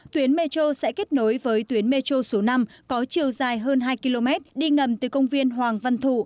tuyến metro sẽ kết nối với tuyến metro số năm có chiều dài hơn hai km đi ngầm từ công viên hoàng văn thụ